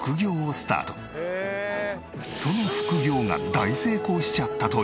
その副業が大成功しちゃったという。